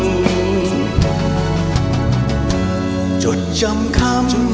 ฝากความจริงเธอทำให้เธอผิดหวัง